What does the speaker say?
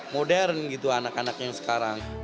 modern gitu anak anak yang sekarang